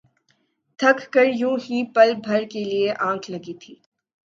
تھک کر یوں ہی پل بھر کے لیے آنکھ لگی تھی